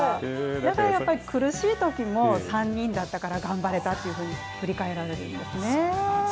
だからやっぱり苦しいときも３人だったから頑張れたというふうに振り返られてますね。